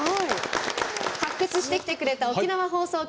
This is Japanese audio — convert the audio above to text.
発掘してきてくれた沖縄放送局